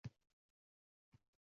Nima, or qilyapsanmi?